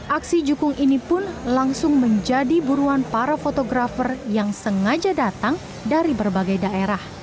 aksi jukung ini pun langsung menjadi buruan para fotografer yang sengaja datang dari berbagai daerah